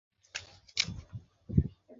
হ্যাঁ, অক্সফোর্ড!